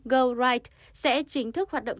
goride sẽ chính thức hoạt động